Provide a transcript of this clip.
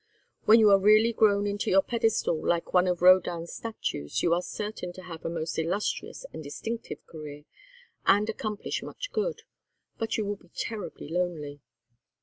When you are really grown into your pedestal like one of Rodin's statues, you are certain to have a most illustrious and distinctive career and accomplish much good. But you will be terribly lonely."